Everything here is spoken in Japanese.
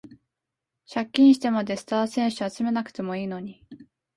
借金してまでスター選手集めなくてもいいのに